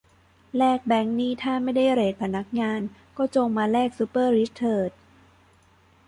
แลกแบงค์นี่ถ้าไม่ได้เรทพนักงาน ก็จงมาแลกซุปเปอร์ริชเถิด